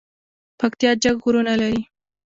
پکتیا جګ غرونه لري